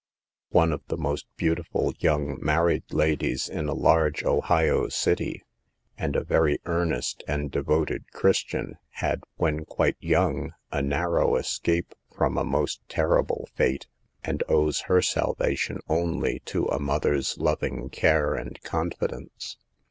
One of the most beautiful young mar ried ladies in a large Ohio city, and a very earnest and devoted Christian, had, when quite young, a narrow escape from a most terrible fate, and owes her salvation only to a mother's loving care and confidence.